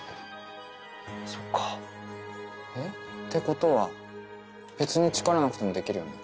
そっか。ってことは別に力なくてもできるよね。